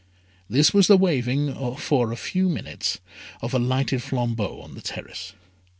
This was the waving, for a few minutes, of a lighted flambeau on the terrace.